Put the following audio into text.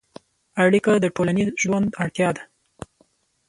اړیکه د ټولنیز ژوند اړتیا ده.